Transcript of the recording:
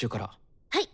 はい！